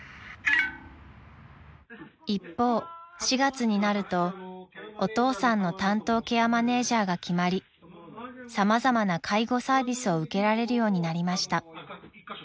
［一方４月になるとお父さんの担当ケアマネージャーが決まり様々な介護サービスを受けられるようになりました］